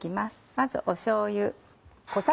まずしょうゆ。